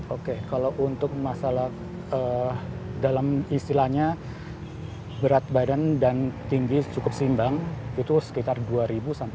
oke kalau untuk masalah dalam istilahnya berat badan dan tinggi cukup simbang itu sekitar dua ribu sampai dua ribu lima ratus